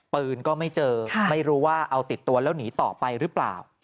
ปืนก็ไม่เจอไม่รู้ว่าเอาติดตัวแล้วหนีต่อไปหรือเปล่า